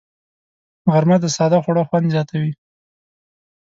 غرمه د ساده خوړو خوند زیاتوي